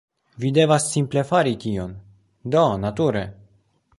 Vi devas simple fari tion... do nature...